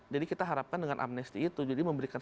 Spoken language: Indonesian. jadi kita harapkan dengan amnesty itu jadi memberikan